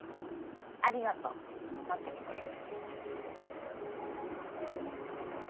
ありがとう待っててくれて。